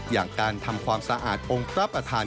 อย่างการทำความสะอาดองค์พระประธาน